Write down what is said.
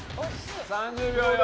３０秒よ。